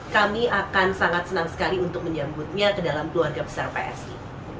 kami akan sangat senang sekali untuk menyambutnya ke dalam keluarga besar psi